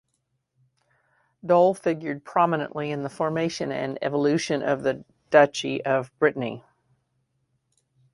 Dol figured prominently in the formation and evolution of the Duchy of Brittany.